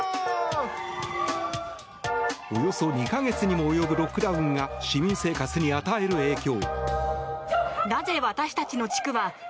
およそ２か月にも及ぶロックダウンが市民生活に与える影響。